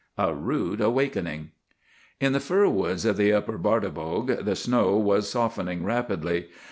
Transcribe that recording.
'A RUDE AWAKENING.' "In the fir woods of the Upper Bartibogue the snow was softening rapidly.